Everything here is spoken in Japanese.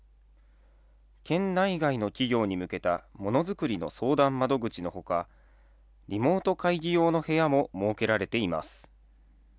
県内外の企業に向けた、ものづくりの相談窓口のほか、リモート会議用の部屋も設けられています。